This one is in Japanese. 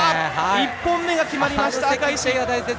１本目が決まりました。